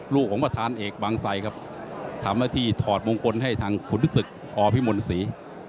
ลูกของประธานเอกบางไซครับทำหน้าที่ถอดมงคลให้ทางขุนศึกอพิมลศรี